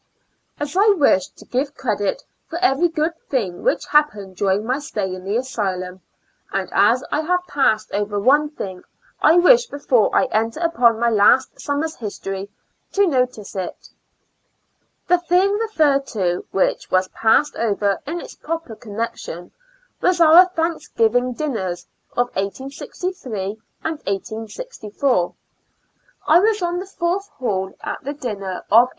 As I wish to give credit for every good thing which happened during my stay in the asylum, and as I have passed over one thing, I wish, before I enter upon my last summer's history,* to notice it. The thing referred to, which was passed over in its proper connection, was our Thankso^iviuo^ dinners of 1863 and 1864. I was on the fourth hall at the dinner of 1863.